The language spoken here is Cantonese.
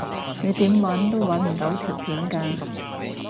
你點搵都搵唔到條片㗎